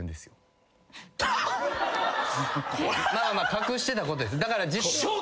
隠してたことです。